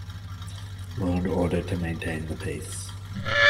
Law and order to maintain the peace.